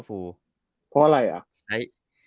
เพราะอะไร